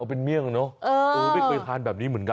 เป็นเมี่ยงเนอะไม่เคยทานแบบนี้เหมือนกัน